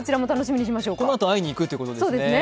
このあと会いに行くということですね。